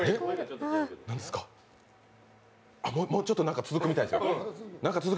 もうちょっとなんか続くみたいですよ。